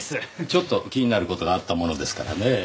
ちょっと気になる事があったものですからねぇ。